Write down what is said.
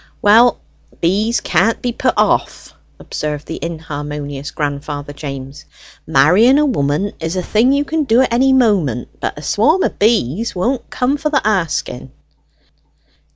"Well, bees can't be put off," observed the inharmonious grandfather James. "Marrying a woman is a thing you can do at any moment; but a swarm o' bees won't come for the asking."